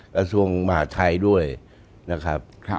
กระทรวงมหาทัยด้วยนะครับ